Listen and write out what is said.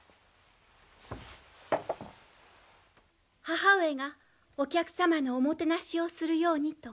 母上がお客様のおもてなしをするようにと。